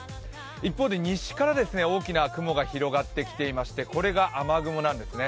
一方で西から大きな雲が広がってきていましてこれが雨雲なんですね。